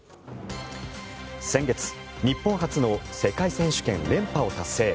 先月日本初の世界選手権連覇を達成。